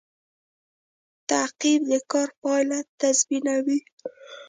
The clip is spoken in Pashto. تعقیب د کار پایله تضمینوي